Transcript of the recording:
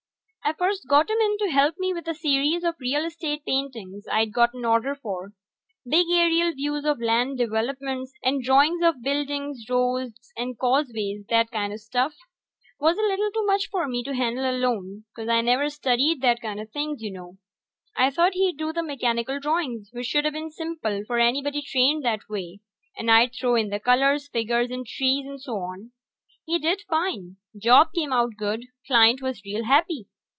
I first got him in to help me with a series of real estate paintings I'd got an order for. Big aerial views of land developments, and drawings of buildings, roads and causeways, that kinda stuff. Was a little too much for me to handle alone, 'cause I never studied that kinda things, ya know. I thought he'd do the mechanical drawings, which shoulda been simple for anybody trained that way, and I'd throw in the colors, figures and trees and so on. He did fine. Job came out good; client was real happy.